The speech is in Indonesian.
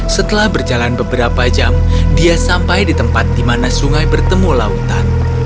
setelah berjalan beberapa jam dia sampai di tempat di mana sungai bertemu lautan